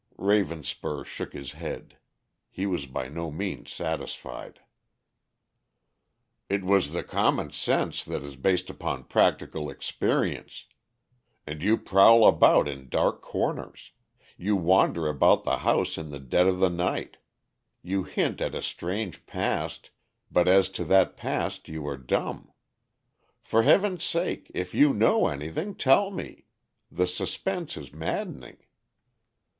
Ravenspur shook his head. He was by no means satisfied. "It was the common sense that is based upon practical experience. And you prowl about in dark corners; you wander about the house in the dead of the night. You hint at a strange past, but as to that past you are dumb. For Heaven's sake, if you know anything tell me. The suspense is maddening."